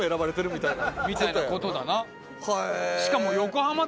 みたいなことだな。